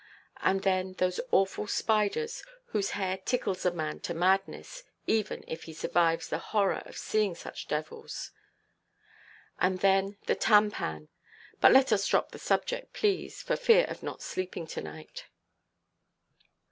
And then those awful spiders, whose hair tickles a man to madness, even if he survives the horror of seeing such devils. And then the tampan—but let us drop the subject, please, for fear of not sleeping to–night.